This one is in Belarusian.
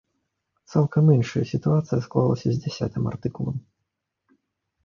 Цалкам іншая сітуацыя склалася з дзясятым артыкулам.